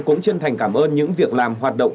cũng chân thành cảm ơn những việc làm hoạt động